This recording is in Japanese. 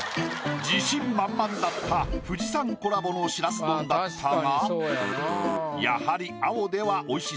自信満々だった富士山コラボのしらす丼だったがやはり。